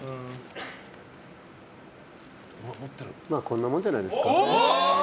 まあこんなもんじゃないですか。